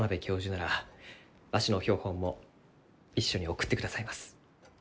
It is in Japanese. ならわしの標本も一緒に送ってくださいます。